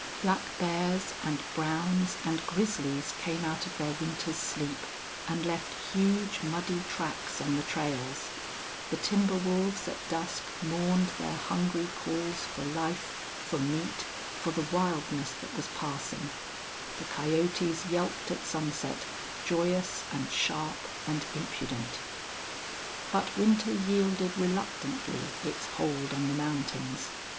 Black bears, and browns, and grizzlies came out of their winter's sleep, and left huge, muddy tracks on the trails; the timber wolves at dusk mourned their hungry calls for life, for meat, for the wildness that was passing; the coyotes yelped at sunset, joyous and sharp and impudent. But winter yielded reluctantly its hold on the mountains.